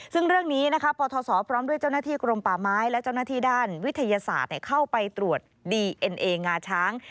ซึ่งเรื่องนี้ปทศพร้อมด้วยเจ้าหน้าที่กรมป่าไม้และเจ้าหน้าที่ด้านวิทยาศาสตร์เข้าไปตรวจดีเอ็นเองาช้าง